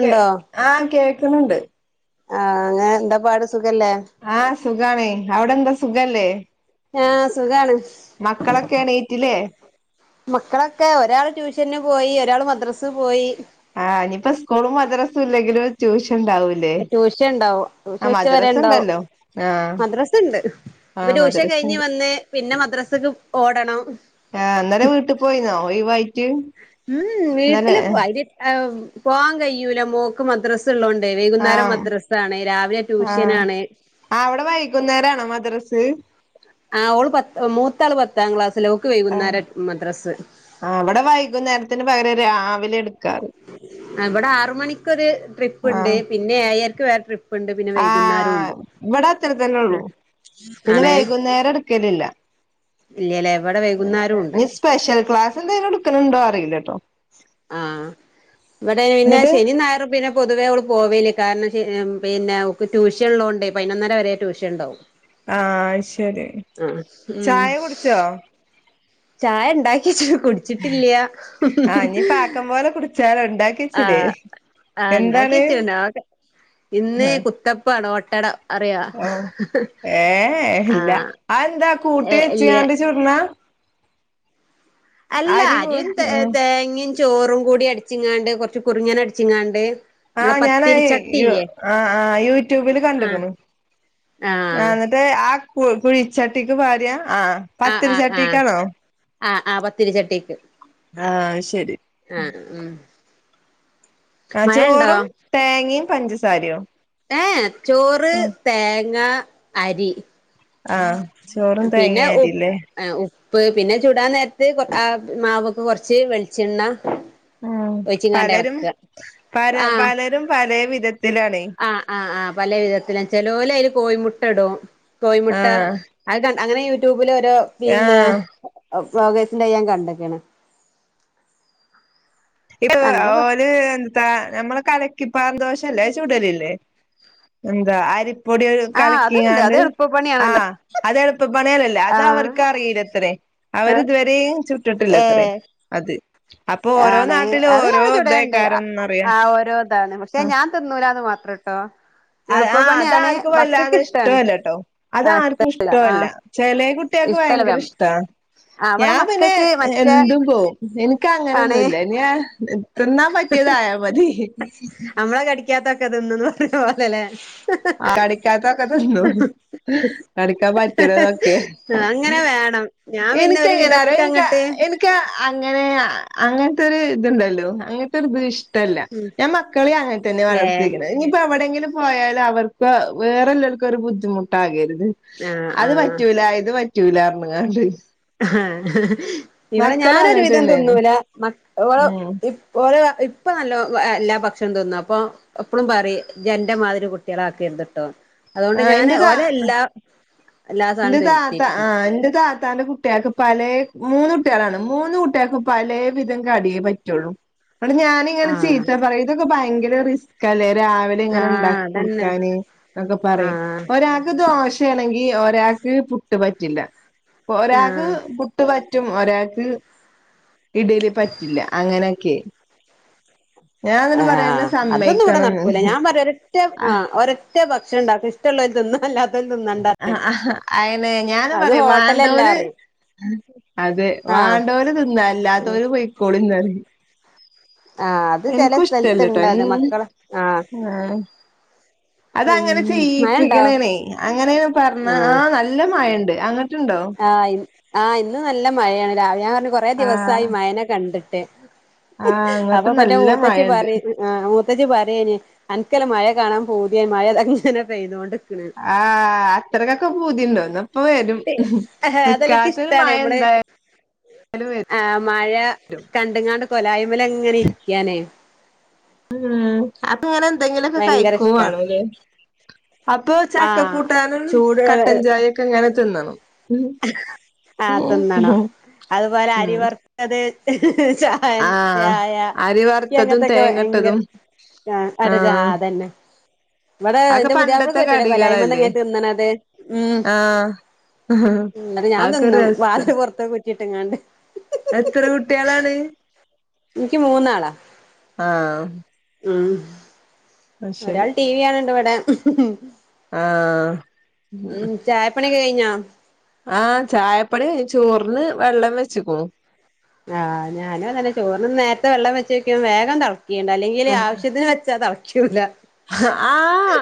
കേ ആഹ് കേക്കണിണ്ട്. ആഹ് അങ്ങനെ എന്താ പാട് സുഖല്ലേ? സുഖാണ് അവിടെന്താ സുഖല്ലേ? ആഹ് സുഖാണ്. മക്കളൊക്കെ എണീറ്റില്ലേ മക്കളൊക്കെ ഒരാള് ട്യൂ ഷന്ന് പോയി ഒരാള് മദ്രസ് പോയി ആഹ് ഇനിപ്പോ സ്കൂളും മദ്രസും ഇല്ലെങ്കിലും ട്യൂഷ ട്യൂഷണ്ടാവും ട്യൂഷൻ ഉച്ചവരെ മദ്രസ ഇണ്ടാവും. ഉണ്ടല്ലോ ആഹ് മദ്രസ്ണ്ട് ആഹ് ട്യൂഷൻ മദ്രസ കഴിഞ്ഞ് ഉണ്ട് വന്ന് പിന്നെ മദ്രസക്ക് ഓടണം. ആഹ് ഇന്നലെ വീട്ട് പോയിന്നോ? ഒഴിവായിട്ട് ഉം ഉം ഇന്നലെ വീട്ടില് വൈകി ഏ പോവാൻ കയ്യൂല മോക്ക് മദ്രസ് ത്ത്ള്ളോണ്ടെ വൈകുന്നേരം ആഹ് മദ്രസാണ് രാവിലെ ട്യൂഷ്യനാണ്. അവടെ വൈകുന്നേരാണോ മദ്രസ്? ആഹ് ഓള് പത്ത് മൂത്താള് പത്താം ക്ലാസ് ലാ ഓക്ക് വൈകുന്നേരാ മദ്രസ്സ്. ഇവടെ വൈകുന്നേരത്തിന് പകരം രാവിലെ ഇട്ക്കാറ്. ആ ഇവിടെ ആറ് മണിക്കൊരു ട്രിപ്പ്ണ്ട് ആഹ് പിന്നെ ഏയര്ക്ക് വേറെ ട്രി പ്പ്ണ്ട് പിന്നെ ആഹ് വൈകുന്നേരുണ്ട് ഇവിടെ അത്ര തന്നെ ഉള്ളൂ പിന്നെ ആണേ വൈകുന്നേരം എടുക്കലില്ല ഇല്ലല്ലേ ഇവിടെ വൈകുന്നേരം ഉണ്ട് സ്പെഷ്യൽ ക്ലാസ് എന്തേലും ഇട്ക്ക്ണ് ണ്ടോ അറീലട്ടോ ആ ഇവടെ പിന്നെ എന്നിട്ട് ശെനിം ഞായറും പിന്നെ പൊതുവേ ഓള് പോവേല്യ കാരണം പിന്നെ ഓക്ക് ട്യൂഷൻ ഇള്ളോണ്ട് പൈനൊന്നര വെരെ ട്യൂഷണ്ടാവും ആ അത് ശെരി ഉം ചായ കുടിച്ചോ? ചായ ഇണ്ടാക്യച്ച്ണ് കുട്ച്ച്ട്ടില്യാ ആ ഇനി പാക്കം പോലെ കുടിച്ചാലോ ആ ഉണ്ടാക്കിച്ചില്ലേ ആ എന്താണ് ഇണ്ടാകെച്ച്ണ് അഒക്കേ ഇന്ന് കുത്തപ്പാണ് ഓട്ടട അറിയൊ ഓ ഏ ആ ഇല്ല ആ എന്താ കൂട്ടി വെച്ച്കാണ്ട് ചുട്ണാ അല്ല അരിയും ത തേങ്ങയും ചോറും കൂടി അടിച്ചിങ്ങാണ്ട് കുറച്ച് കുറിുങ്ങന അടിച്ചിങ്ങാണ്ട് നമ്മളെ ആഹ് ഞാന യ പത്തിരിച്ചട്ടില്ലേ ആ ആ യൂട്യൂബില് ആഹ് കണ്ടക്കണു ആ ആഹ് എന്നിട്ട് ആ കു കുഴിച്ചട്ടിക്ക് ഭാര്യ ആഹ ആഹ് പത്തിരു ആഹ് ആഹ് ചട്ടിിക്കാണോ ആഹ് ആഹ് പത്തിരിച്ചട്ടിക്ക് ആഹ ശരി ആഹ് ഉം ആ മഴണ്ടോ ചോറും തേങ്ങയും പഞ്ചസാരയോ ഏ ചോറ് ഉം തേങ്ങ അരി ആഹ് ചോറും പിന്നെ ഉ് തേങ്ങയരില്ലേ ഇപ്പ പിന്നെ ചൂടാൻ നേരത്ത് കൊ ആ് മാവക്ക് കൊറച്ച് വെളിച്ചണ്ട ഉ പലരും പല ആഹ് പലരും പല വിധത്തിലാണ് ആഹ് ആ് ആഹ് പല വിധത്തിലും ചെലോല അതിൽ കോഴിമുട്ട ഇടും കോഴിമുട്ട ആഹ് അത് ക അങ്ങനെ യൂട്യൂബിൽ ഒരുോ പിന്നെ ആഹ് വകസിന്റെ ഞാൻ കണ്ടക്കെയാണ് ഇര് എന്താ നമ്മള ക ഇപ്പന്തോഷല്ലേ ചൂടലല്ലേ എന്താ അരി പൊടി ആഹ് അത്ണ്ട് അത് കലക്കണ്ട് എളുപ്പ പണിയാണല്ലോ ആഹ് അതളപ്പ പ അല്ലേ അത് ആഹ് അവർക്ക് അറിയില്ല എത്രേ അവർ ആഹ് ഇതുവരെെയ ചുട്ടിട്ടില്ല എത്രേ ഏഹ് അത് അപ്പൊ ഓരോ നാട്ട അത്ഞടെ ചുടണ്ട് ആ ഓരോ ഇതാന്ന് പക്ഷെ ഞാൻ തതിുന്നൂരാാന്ന് മാത്രം ഇട്ടോ ആഹ് അത ആർക്കും വല്ല അത ഇഷ്ടാണ് ഇഷ്ടല്ല ട്ടോ അത ആഹ് ആർക്കും ഇഷ്ടല്ല ആഹ് ചില കുട്ടക്ക് ഇഷ്ടല്ല ഭയങ്കര ഇഷ്ട ആഹ് ഞ ഇവടെ പിന്നെ മക്കക്ക് മറ്റേ എും പോും എന ആണ് അങ്ങനൊന്നുമല്ല ഞാൻ തിന്നാൻ പറ്റിയതായാ മതി ത്തന്ന് പറഞ്ഞ പോലല്ലെ ആ കടിക്കാത്തൊക്കെ ന്നു കടിക്കാൻ പറ്റരുതൊക്കെ അങ്ങനെ വേണം ഞാൻ പിന്നെ എനിക്ക ഒരു എങ്ങനര വിധൊക്കെ എനിക്ക അങ്ങട്ട് എനിക്ക അങ്ങനെ അങ്ങനത്തെൊ ഇതുണ്ടല്ലോ അങ്ങനത്തെ ഒരു ദഷ ല്ല ഉം ഞാൻ മക്കളെ അങ്ങനെ തന്നെ ഏ വളർത്തിയിരിക്കുന്നത് ഇനിയിപ്പോ അവിടെ പോയാാലല് അവർക്ക് വേറെല്ലാവർക്കും ഒരു ബുദ്ധിമുട്ടാകരുന്നു ആഹ് അത് ആഹ് പറ്റൂലയത് പറ്റൂല അന്നാണ്ട് ആ ഇവിടെ ഞാനൊരു അങ്ങനെ വിധം തന്നെയാണ് തൊന്നൂല മ ഉം ഇ ഇപ്പ നല്ലോ എല്ലാ ഭക്ഷണം തിന്നും അപ്പൊ എപ്പഴും പറ ജന്റെമാതിരി കുട്ടികള ആാക്കി എരുതിട്ടോ അതുകൊണ്ട് ആ ഞാന് ഓല എന്റെത് എല്ലാ എല്ലാ എന്റെ സാധനവും താത്ത ആഹ് തിന്നിപ്പിക്കും എന്റെ താത്താന്റെ കുട്ടി കുട്ടികക്ക് പല മൂന്ന കുട്ടികളാണ് മൂന്ന കുട്ടികക്ക് പല വിധം കടിയേ പറ്റുള്ളു അ ഞാനിങ്ങനെ ആഹ് ചീത്താ പറയും ഇതൊക്കെ ഭയങ്കര റിസ്ക് അല്ലേ രാവിലെ ഇങ്ങനെ ആഹ് ഉണ്ടാക്കി അതന്നെ കൊടുക്കാന് എന്നൊക്കെ പറയും ആഹ് ഒരാൾക്ക് ദ ദോശയാണെങ്കിൽ ഒരാൾക്ക് പുട്ട് പറ്റില്ല ഒരാൾക്ക് ആഹ് പുട്ട് ചറ്റും ഒരാൾക്ക് ഇടൽ പറ്റില്ല അങ്ങനെയൊക്കെ ഞാൻ ആ എന്നിട്ട് പറയും എന്നെ അതൊന്നും ഇവിടെ സമ്മതിക്കണംന്ന് നടക്കൂല ഞാൻ പറയാ ഒരറ്റ ആ ഒരാ റ്റ ഭക്ഷണം ഉണ്ടാക്കും ഇഷ്ടമുള്ളോര് തിന്ന് അല്ല ആ അയിനെ ഞാന അത് പറയും ഹോട്ടലല്ലാ വാണ്ടോല് പറയും അത ആഹ് വാണ്ടവര് തിന്ന അല്ലാത്തോര് പോയിക്കോളീം പറിം ആഹ് അത് ചെല എനിക്കും ഇഷ്ടഇല്ലട്ടോ സ്ഥലത്തുണ്ട് അത് മക്കള് ആഹ് ഉ ആ അത ഉം അങ്ങനെ മഴണ്ടോ ചെയ്പ്പിക്കനേനെ അങ്ങനേന പറഞ്ഞ ആ നല്ല മായഉണ്ട് ആ ആ ഇന്ന് നല്ല മഴയാണ് രാവിലെ ഞാൻ പറഞ്ഞു കൊറെേ ആഹ് ദിവസമായി മഴനെ കണ്ടിട്ട് ആഹ് അങ്ങോട്ട് അപ്പോപ്പന്റെ എന്റെ നല്ല മൂത്തച്ചി മഴണ്ട് പറ ആ മൂത്തച്ച്ചി പറയന് അനക്കല മഴ കാണാൻ പൂതിയ മഴ അങ്ങനെ പെയ്യുന്നതുകൊണ്ട് ആ അത്രക്കൊക്കെ പൂതിണ്ടോന് ഇപ്പൊ വരും നിക്കാതൊരു മയ എന്തായാ ലും ആ മഴ കണ്ട്ങ്ങാണ്ട് കൊലായ്മലങ്ങനെ ഇരിക്കാനേ ഏ അപ്പൊ ഇങ്ങനെ എന്തെങ്കിലുംക്കോ ഭയങ്കര ഇഷ്ടാ കഴിക്കവാണല്ലേ അപ്പൊ ചക്ക ആഹ് കൂട്ടാനും ചൂട് കട്ടൻചായയൊക്കെ ഇങ്ങനെ തിന്നും ആ തിന്നണം അതുപോലെ അരി ഉം വറുത്തത് ചായൻ ആഹ് ചായ അരി ഇയ്ക്കു വറുത്തതും അങ്ങത്തൊക്കെ ഭയങ്കര തേങ്ങട്ടതും ആ ആരാഞ്ഞജാ ആഹ് അതന്നെ ഇവിടെ അതൊക്കെ എന്റെ പുതിയ്പ്ലക് പണ്ടത്തെ പറ്റൂല കൊലായ്മന്ന് കടികളല്ലേ ഇങ്ങനെ തിന്നണത് ഉം ആഹ് ഇന്നാട്ട് ഞാൻ ആക്കെ ഒരു തിന്നും രസാ വാതിൽ പുറത്തിന്ന് കുറ്റിട്ട്ങ്ങാണ്ട് എത്ര കുട്ടിആളാണ് ഇനിക്ക് മൂന്നാളാ ആ ഉം ഒരാൾ ടി വി കാണണ്ട ഇവിടെ ആ ഉം ചായപ്പണിയൊക്കെ കഴിഞ്ഞോ ആ ചായപ്പട കഴിച്ചു ചോറ് ന്ന് വെള്ളം വെച്ചിക്ണു ആ ഞാനും അതന്നെ ചോറിന്ന് നേരത്തെ വെള്ളം വെച്ചക്കും വേഗം തളക്കും ണ്ടല്ലെ അല്ലെങ്കിൽ ആവശ്യത്തിന് വച്ചാ തളക്കൂല ആഹ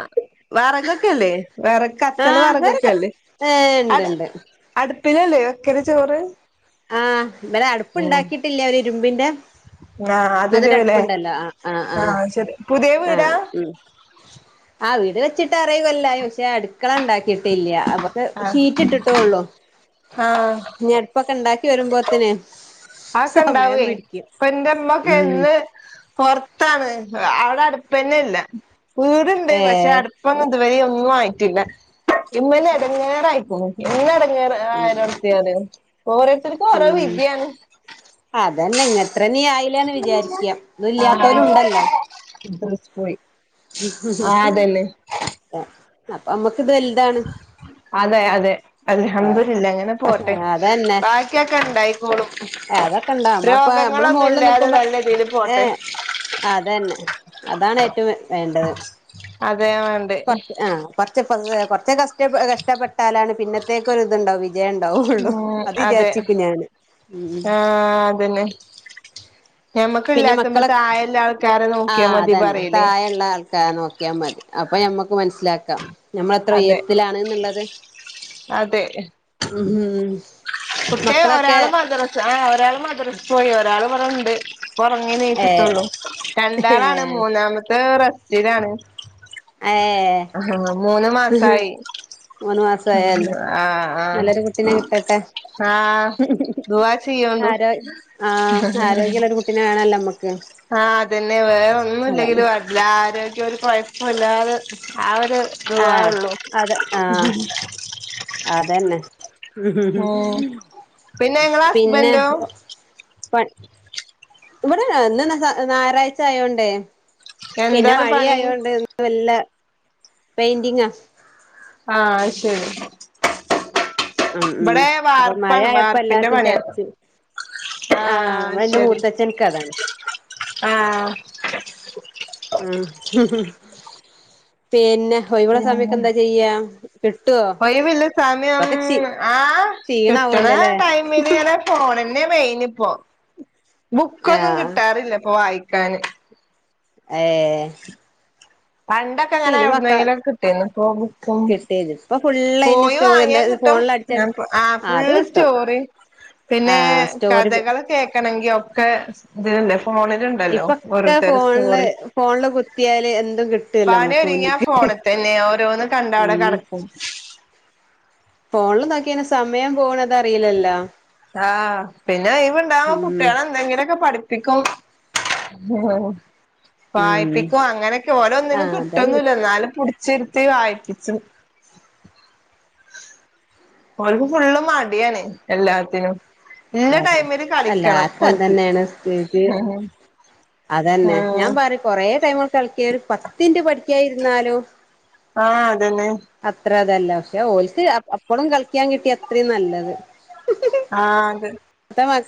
വറകൊക്കെല്ലേ വിറ കത്ത്ണ വിറകൊക്കെല്ലേ ണ്ട്ണ്ട് പിന്നെല്ലേ വേക്കല് ചോറ് ആ ഇവിടെ ഉം അടുപ്പ്ണ്ടാക്കിട്ടില്ലേ ഒരു ഇരുമ്പിന്റെ ആഹ് അതില് ലെ അതൊരടുപ്പുണ്ടല്ലോ ആ ആ ആ ആഹ് ശരി പുതിയ ആ വീടാ ഉം ആ വീട് വെച്ചിട്ട് ആർ ഏഴു കൊല്ലായി പക്ഷെ അടുക്കള ഉണ്ടാക്കിട്ടില്ല്യ ഇപ്പോ ആഹ് ഷീറ്റ് ഇട്ടിട്ടോള്ളു ആഹ് ഞടുപ്പൊക്കെ ഉണ്ടാക്കി വരുമ്പോത്തനെ സമയം പിടിക്കും ഉം ഇന്ന് പുറത്താണ് അവിടെ അടുപ്പന്നെ ഇല്ല വീടുണ്ട് പക്ഷെ ഏഹ് അടുപ്പ് ഒന്നും ഇതുവരെ ഒന്നും ആയിട്ടില്ല ഇന്നന്നെ ഇടങ്ങീറായിക്കണ് ആയിരത്തിയറ് ഓരോരുത്തർക്കും ഓരോ ഉം വിധിയാണ് അതന്നെ ഇങ്ങത്രന്നെ ആയില്ലന്ന് വിചാരിക്ക ഇത് ഇല്ലാത്തോലും ഇണ്ടല്ലോ മദ്രസ പോയി അപ്പൊ മ്മക്ക് ഇത് വൽതാണ് അതെ അതെ അൽഹംദുലില്ലാഹ് അങ്ങനെ പോട്ടെ ബാക്കിയൊക്കെ ഇണ്ടായിക്കോളും ്അതൊക്കെ ഇണ്ടാ മ്മളാപ്പോ നമ്മള് രോഗങ്ങളൊന്നും മുകളിൽ ഇല്ലാതെ നിക്കുമ്പോ നല്ല രീതിൽ ഏ പോട്ടെ അതന്നെ അതാണ് ഏറ്റവും വേണ്ടത് അതെ വേണ്ടേ കുറച്ച് ആ കൊറച്ച കുറച്ച കഷ്ടപ്പെട്ടാലാണ് പിന്നത്തേക്ക ഒ ഇതുണ്ടാവ വിജയണ്ടാവൊള്ളൂ ഉം അത് അതെ വിചാരിച്ചിക്കു ഞാന് ഉ ആഹ് അതന്നെ [unintelligible] പിന്നെ ഇല്ലാത്തുമ്പോ മക്കളൊക്കെ താഴെല്ല ആൾക്കാരെ നോക്കിയാ ആഹ മതി അതന്നെ പറയിലേ തഴേള്ള ആൾക്കാരെ നോക്കിയാൽ മതി അപ്പൊ ഞമ്മക്ക് ക്ക് മനസ്സിലാക്കാം നമ്മളെത്ര അതെ ഉയരത്തിലാണ് ന്നുള്ളത് ഉം കുട്ടേ മക്കളൊക്കെ ഒരാള് മദ്രസ് ആ ഒരാൾ മദ്രസ് പോയി ഒരാള് ഇവിടണ്ട് ഉറങ്ങി ഏ നീച്ചിട്ടുള്ളൂ രണ്ടാളാണ് മൂന്നാമത്തെ റെസ്റ്റിലാണ് ഏ ആഹ് മൂന്ന് ഏ മാസായി മൂന്ന് മാസായല്ലേ ആ ആ നല്ലൊരു കുട്ടിനെ കിട്ടട്ടെ ആഹ ദുആ ചെയ്യോണ്ടു ആരോ ആഹ് ആരോഗ്യള്ള ഒരു കുട്ടിനെ വേണല്ലോ നമ്മക്ക് ആഹ അതന്നെ വേറെന്നുംല്ലെങ്കും അതന്നെ വേണ്ടില്ല ആരോഗ്യം ഒരു കുഴപ്പില്ലാതെ ആ ദുആ ആഹ് ഒള്ളു അതെ ആഹ് അതന്നെ ഉം പിന്നെ ങ്ങളെ പിന്നെ ഹസ്ബൻന്റോ ഇവിടെന്നെ ഇന്ന് ഞായറാഴ്ച ആയോണ്ടേയ് പിന്നെ എന്താണ് പണി വഴിയായോണ്ട്ന്ന് വല്ല പെയിന്റിങ്ങാ ആഹ് ശരി ഉം ഉം ഇവിടെ അപ്പൊ മഴ വാർപ്പാണ് ആയപ്പോ വാർപ്പിന്റെ എല്ലാർക്കും പണിയാ ചടച്ച് ആഹ് ഇവിടെ എന്റെ ശെരി മൂത്തച്ഛൻക്ക് അതാണ് ആഹ് ആ പിന്നെ ഒയ്വൊള്ള സമയത്തെന്താ ചെയ്യാ കിട്ടുവോ ഒയ്വില്ല സാമയം ഇപ്പൊക്കെ ക്ഷീ ആ കിട്ടണ ക്ഷീണാവല്ലോല്ലേ ടൈമിങ്ങനെ പോണ് ന്നെ വെയ്നിപ്പോ ബുക്കൊന്നും ആഹ് കിട്ടാറില്ല ഇപ്പൊ വായിക്കാന് ഏയ് പണ്ടൊക്കെ ഞാനെ എവിടുന്നെങ്കിലുംക്കെ കിട്ടിന്ന് ഇപ്പൊ ബുക്കും കിട്ടിയത് ഇപ്പൊ ഫുള്ള് അയിന് പോയി സ്റ്റോറി എന്താ വാങ്ങിയാൻ കിട്ടും ഫോണിൽ അടിച്ച ആ അത് ഫുള്ള് കിട്ടും സ്റ്റോറി പിന്നെ ആഹ് സ്റ്റോറി കഥകള് കേക്കണെങ്കി ഒക്കെ ഇതില്ണ്ട് ഫോണിലുണ്ടല്ലോ ഇപ്പൊക്കെ ഓരോരുത്തരു ഫോണില് സ്റ്റോറി ഫോണില് കുത്തിയാല് എന്തും കിട്ടുവല്ലോ നമ്മുക്ക് പാനൊരുങ്ങിയാ മുന്ന്ക്ക് ഫോ ണെത്തന്നെ ഓരോന്ന് കണ്ട് അവ്ടെ ഉം കെടക്കും ഫോണില് നോക്കീനാ സമയം പോകണതറിയില്ലല്ലോ ആഹ് പിന്നെ ഒയ്വുണ്ടാമ്പോ ഉം കുട്ടികളെ എന്തെങ്കിലൊക്കെ പഠി ഇക്ക ഉം വായ്പിക്കോ അങ്ങനെക്കെ ഓരോ ഒന്നിനും ആഹ് അതന്നെ കിട്ടുവൊന്നുല്ല എന്നാലും പുടിച്ചിര് ത്തി വായ്ക്കിച്ചും ഓരാക്ക് ഫുള്ള് മടിയാണ് എല്ലാത്തിനും ഇല്ല അതെ ടൈമില് അല്ല കളിക്കണം അത് ഓൽക്ക് തന്നെയാണ് വീട്ടീ ഉം അതന്നെ ആഹ് ഞാമ്പറയ് കൊറേ ടൈമ് കളിക്ക് ഒരു പത്തിൻറ്റ് പഠിക്കായിരുന്നാലോ ആഹ് അതന്നെ അതല്ല പക്ഷെ, ഓല്ക്ക് അപ്പളും കളിക്കാൻ കിട്ടിയാ അത്രേം നല്ലത് ആഹ് അതെ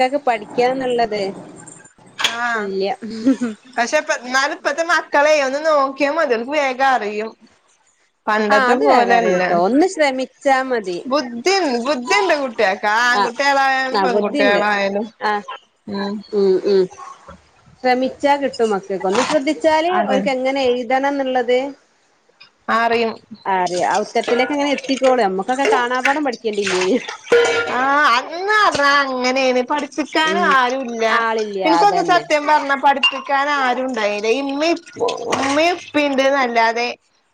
തേക്ക് പഠിക്കാന്നുള്ളത് ആഹ് ഇല്ല പഷേപ്പന്നാലും പ്പ്ത്തെമാക് ക്കളെ ഒന്ന് നോക്കിയാ മതിക്ക് വേഗം അറിയും ആ പണ്ടത്തെ അത് വേഗം പോലെയല്ല അറിയൂട്ടോ ഒന്ന് ശ്രമിച്ചാ മതി ബുദ്ധിയൊൺ ബുദ്ധിയൊണ്ട് കു ട്ടിയക്ക് ആ ആങ്കുട്ടികളായാലും ആ ബുദ്ധിണ്ട് പെങ്കുട്ടികളായാലും ഉം ശ്രമി ത്ത മക്കക്ക് ഒന്ന് ശ്രദ്ധിച്ചാല് അതെ ഓര്ക്ക് എങ്ങനെ എഴ്തണംന്നുള്ളത് ആറിയും അറിയാ ആ ഉത്തരത്തിലേക്ക് അങ്ങനെ എത്തിക്കോളുഎ അമ്മുക്കൊക്കെ കാണാപ്പാടം പഠിക്കേണ്ടി ഇല്ല്യേന് ആഹ് അന്ന് അത് അങ്ങനേണ് പഠി പ്പിക്കാനും ഉം ആരും ഇല്ല ആളില്ല ഇന്ക്കൊന്നും അതന്നെ സത്യം പറഞ്ഞാ പഠിപ്പിക്കാനും ആരൂണ്ടായിലാ ഈഇമ്മേം ഉമ്മേം ഉപ്പേം ഇണ്ട്ന്നല്ലാതെ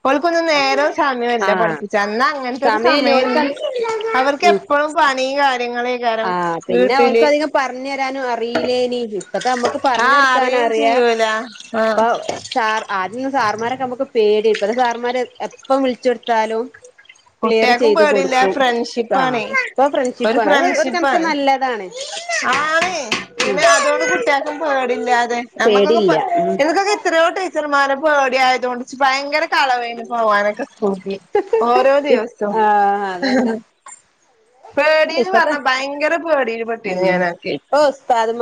ഓവൾക്കൊന്നും നേരവും ആ സമേംല്ല പഠിപ്പിച്ചാൻ അന്നാ അങ്ങൻത്തെ ഒരു സമയല്ലേ സമയേം ഓൽക്ക് അവർക്ക് ഉം എപ്പോളും പണീ കാര്യങ്ങളേ കാരം വീട്ടില് ട്ടാനും അറിയില്ലേനി ഇപ്പത്തെ അമ്മുക്ക് ആഹ് അറിയേം പറഞ്ഞോടുക്കാനറിയാ ചെയ്യൂല ആഹ് പ്പൊ സാർ ആദ്യം സാർമാരെ നമുക്ക് പേടി ഇപ്പത്തെ സാറന്മാര് എപ്പം വിളിച്ചൊടുത്താലും കുട്ടികക്കും പേടീല്ല ഫ്രണ്ട്ഷിപ്പാണെ ആഹ് ഇപ്പൊ പ്പഒരു ഫ്രണ്ട്ഷിപ്പാണ് അത് ഒരു ഫ്രണ്ട്ഷിപ്പ് കണക്ക് പ്പാണ് നല്ലതാണ് ആണ് ഉം പിന്നെ അതുകൊണ്ട് കുട്ടികക്കും പേടില്ലാതെ നമ്മ്ക്കൊക്കെ മ്പ പേടില്ല എനക്കൊക്കെ ഇത്രയോ ടീച്ചർമാരെ പേടിയായതോണ്ട് ഭയ്ങ്കര കളവേന്ന് പോവാനൊക്കെ സ്ക്കൂള്ക്ക് ഓരോര് ഉം ദിവസം ആഹ് അതന്നെ പേടീന്ന് ഇപ്പത്തെ പറഞ്ഞാ ഭയ്ങ്കര പേടില് പെട്ടിന്ന് ഞാനൊക്കെ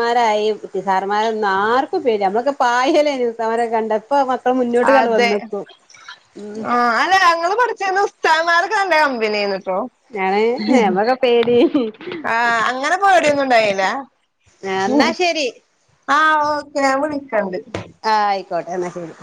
മാരായി സാർമാരെന്നും ആർക്കും പേട്യാ മ്മളൊക്കെ പായേലെചർമാരെ കണ്ടപ്പ മക് അതെ ഉം ആ അല്ല ഞങ്ങള് പഠി ച്ചയന്നും സാറന്മാരെക്കെ നല്ല കമ്പനിയാര്ന്ന് ഞമ്മക്ക് പേടി ആ അങ്ങനെ പേടിയൊന്നും ഇണ്ടായില്ല എന്നാ ശരി ആ ഓക്കെ ഞാൻ വിളിക്കണ്ട് ആ ആയിക്കോട്ടെ എന്നാ ശെരി